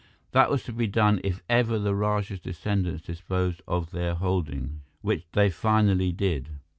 That was to be done if ever the Rajah's descendants disposed of their holdings, which they finally did.